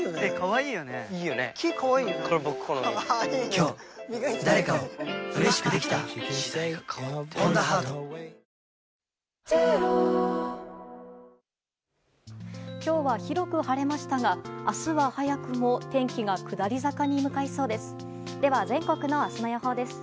今日は広く晴れましたが明日は早くも天気が下り坂に向かいそうです。